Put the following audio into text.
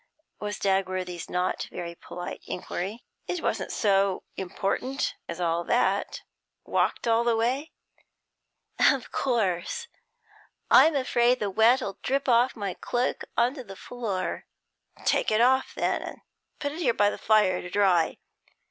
was Dagworthy's not very polite Inquiry. 'It wasn't so important as all that. Walked all the way?' 'Of course. I'm afraid the wet 'll drip off my cloak on to the floor.' 'Take it off, then, and put it here by the fire to dry.'